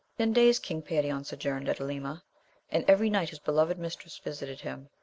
Ten days King Perion sojourned at Alima, and every night his beloved mistress visited him.